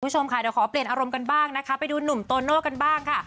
คุณผู้ชมค่ะเดี๋ยวขอเปลี่ยนอารมณ์กันบ้างนะคะไปดูหนุ่มโตโน่กันบ้างค่ะ